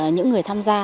những người tham gia